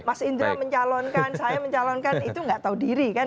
mas indra mencalonkan saya mencalonkan itu nggak tahu diri kan